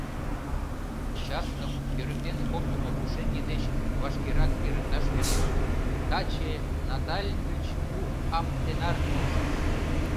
Участкым йӧрыктен оптымо пушеҥге деч вашкерак эрыкташ кӱлеш: таче Наталь гыч у амтенар толшаш.